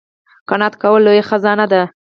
قناعت کول لویه خزانه ده